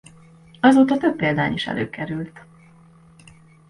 Azóta több példány is előkerült.